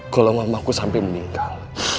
kalau mama aku sampai meninggal